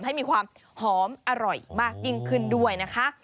ให้มีความหอมอร่อยมากยิ่งขึ้นด้วยนะคะ